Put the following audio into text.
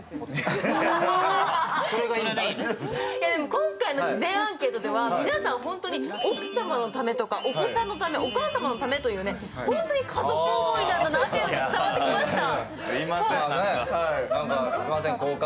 今回の事前アンケートでは、本当に皆さん、奥様のためとか、お子さんのため、お母さんのためということで本当に家族思い何だなってのが伝わってきました。